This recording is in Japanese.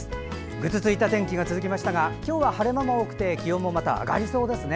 ぐずついた天気が続きましたが今日は晴れ間も多くて気温も上がりそうですね。